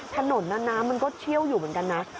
ถนนนั้นน้ำมันก็เชี่ยวอยู่เหมือนกันนะ